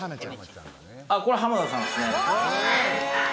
これ浜田さんですね。